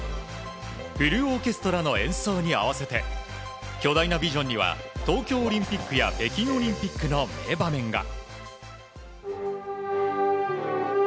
フルオーケストラの演奏に合わせて巨大なビジョンには東京オリンピックや北京オリンピックの名場面が。